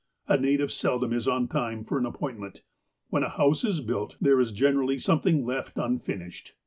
A native seldom is on time for an appointment. When a house is built, there is generally something left unfinished.